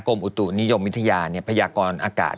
อุตุนิยมวิทยาพยากรอากาศ